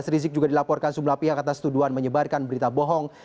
rizik juga dilaporkan sebelah pihak atas tuduhan menyebarkan berita bohong